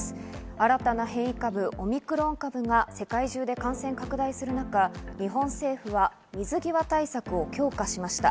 新たな変異株、オミクロン株が世界中で感染拡大する中、日本政府は水際対策を強化しました。